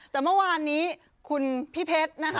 แต่เมื่อวานนี้คุณพี่เพชรนะคะ